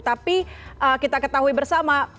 tapi kita ketahui bersama